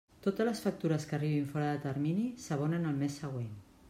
Totes les factures que arribin fora de termini s'abonen el mes següent.